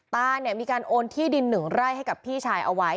ตาเนี่ยมีการโอนที่ดิน๑ไร่ให้กับพี่ชายเอาไว้